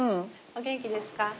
お元気ですか？